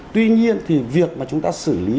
tuy nhiên thì việc mà chúng ta xử lý